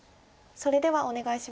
それではお願いします。